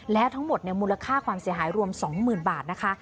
แล้วทั้งหมดมูลค่าความเสียหายรวม๒๐๐๐บาทนะคะ